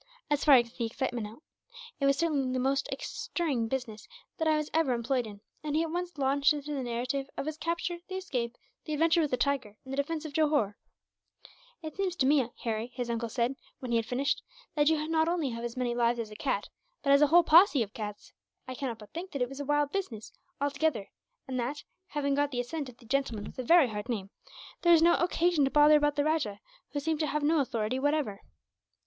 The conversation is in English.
As far as the excitement went, it certainly was the most stirring business that I was ever employed in;" and he at once launched into the narrative of his capture, the escape, the adventure with the tiger, and the defence of Johore. "It seems to me, Harry," his uncle said, when he had finished, "that you not only have as many lives as a cat, but as a whole posse of cats. I cannot but think that it was a wild business, altogether; and that, having got the assent of the gentleman with the very hard name, there was no occasion to bother about the rajah, who seemed to have no authority whatever."